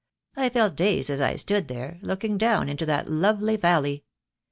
I felt dazed as I stood there, looking down into that lovely valley.